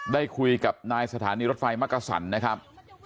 ได้คุยกับนายสถานีรถไฟมักกะสันนะครับ